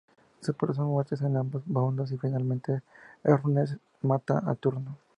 Se producen muertes en ambos bandos y, finalmente, Eneas mata a Turno.